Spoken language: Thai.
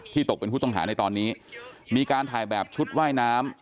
ตกเป็นผู้ต้องหาในตอนนี้มีการถ่ายแบบชุดว่ายน้ำ